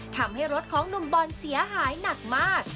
ทำให้รถของหนุ่มบอลเสียหายหนักมาก